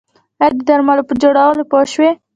ایا د درملو په خوړلو پوه شوئ؟